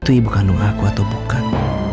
itu ibu kandung aku atau bukan